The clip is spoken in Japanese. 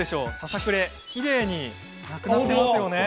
ささくれ、きれいになくなっていますよね？